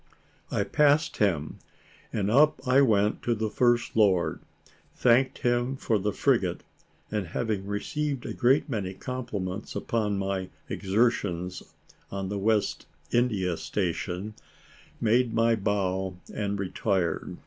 I passed him, and up I went to the First Lord, thanked him for the frigate; and having received a great many compliments upon my exertions on the West India station, made my bow and retired.